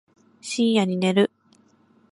深夜に寝る